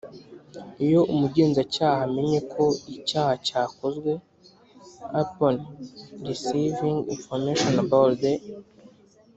Iyo umugenzacyaha amenye ko icyaha cyakozwe Upon receiving information about the